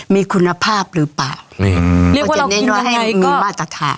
มีคุณภาพหรือเปล่าหรือจะเน้นว่าให้มีมาตรฐาน